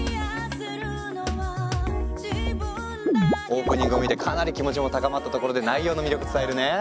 オープニングを見てかなり気持ちも高まったところで内容の魅力伝えるね。